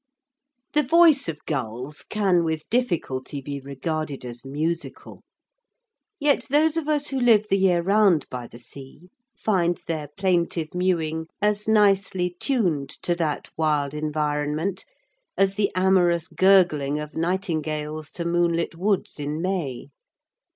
The voice of gulls can with difficulty be regarded as musical, yet those of us who live the year round by the sea find their plaintive mewing as nicely tuned to that wild environment as the amorous gurgling of nightingales to moonlit woods in May.